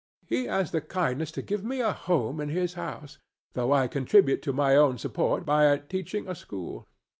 He has the kindness to give me a home in his house, though I contribute to my own support by teaching a school.